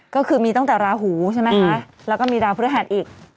ก็คือมีตั้งแต่ราหูใช่ไหมคะแล้วก็มีดาวพฤหัสอีก